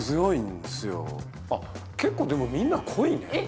結構でもみんな濃いね。